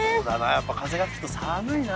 やっぱ風が吹くと寒いな。